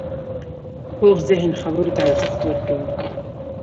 پوخ ذهن خبرو ته ارزښت ورکوي